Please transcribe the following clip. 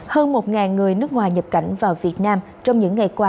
hơn một người nước ngoài nhập cảnh vào việt nam trong những ngày qua